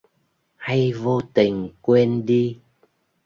Hay vô tình quên đi